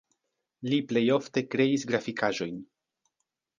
Li plej ofte kreis grafikaĵojn.